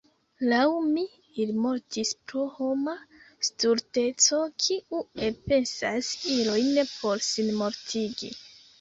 Laŭ mi ili mortis pro homa stulteco, kiu elpensas ilojn por sinmortigi.